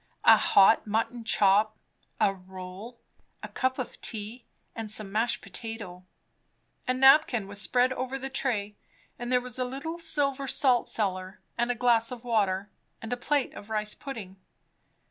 A hot mutton chop, a roll, a cup of tea, and some mashed potatoe. A napkin was spread over the tray; and there was a little silver salt cellar, and a glass of water, and a plate of rice pudding.